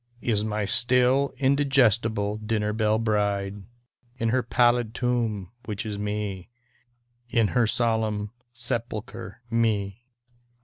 Is n^y still indigestible dinner belle bride, In her pallid tomb, which is Me, In her solemn sepulcher, Me.